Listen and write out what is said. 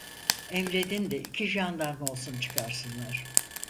Emredin de iki jandarma olsun çıkarsınlar…